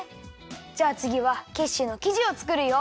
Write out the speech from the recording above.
じゃあつぎはキッシュのきじをつくるよ。